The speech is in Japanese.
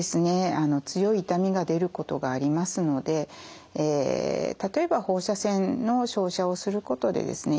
強い痛みが出ることがありますので例えば放射線の照射をすることでですね